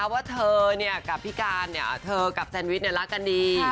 ว่าเธอกับแซนวิชรักกันดี